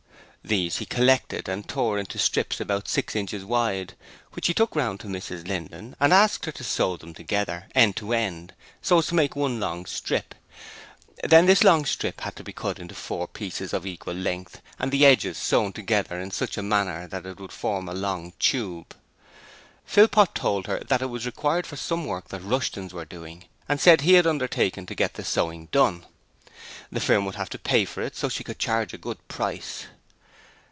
These he collected and tore into strips about six inches wide which he took round to Mrs Linden, and asked her to sew them together, end to end, so as to make one long strip: then this long strip had to be cut into four pieces of equal length and the edges sewn together in such a manner that it would form a long tube. Philpot told her that it was required for some work that Rushton's were doing, and said he had undertaken to get the sewing done. The firm would have to pay for it, so she could charge a good price.